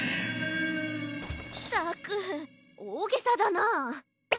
ったくおおげさだな。